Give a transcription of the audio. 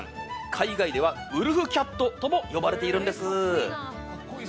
海外ではウルフキャットとも呼ばれているんです。